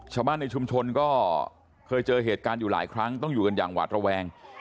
ชาวบ้านในชุมชนก็เคยเจอเหตุการณ์อยู่หลายครั้งต้องอยู่กันอย่างหวาดระแวง